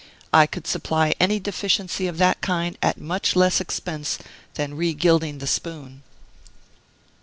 I could supply any deficiency of that kind at much less expense than regilding the spoon!